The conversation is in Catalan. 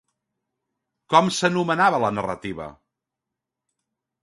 Com s'anomenava la narrativa?